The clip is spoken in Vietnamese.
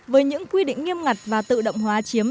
với những quy định nghiêm ngặt và tự động hóa chiếm tám mươi